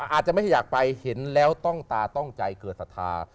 อาจจะไม่ใช่อยากไปเห็นแล้วต้องตาต้องใจเกิดศรัทธา